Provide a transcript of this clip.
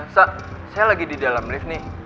saya lagi di dalam lift nih